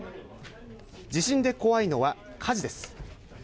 地震で怖いのは火事です。